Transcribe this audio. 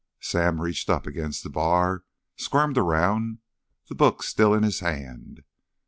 Sam reached up against the bar, squirmed around, the book still in his hand.